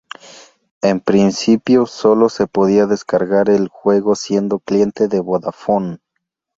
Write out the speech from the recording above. En principio sólo se podía descargar el juego siendo cliente de Vodafone.